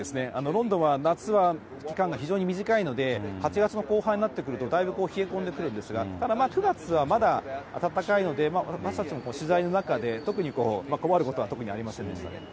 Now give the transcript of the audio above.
ロンドンは夏は期間が非常に短いので、８月の後半になってくると、だいぶ冷え込んでくるんですが、ただまあ、９月はまだ暖かいので、私たちも取材の中で特にこう、困ることは特にありませんでしたね。